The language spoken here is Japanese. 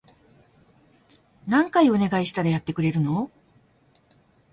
何回お願いしたらやってくれるの？